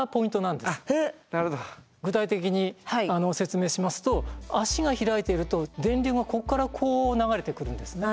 具体的に説明しますと足が開いていると電流がここからこう流れてくるんですね。